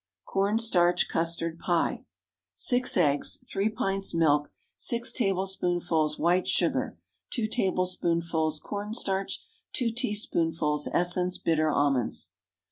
CORN STARCH CUSTARD PIE. ✠ 6 eggs. 3 pints milk. 6 tablespoonfuls white sugar. 2 tablespoonfuls corn starch. 2 teaspoonfuls essence bitter almonds.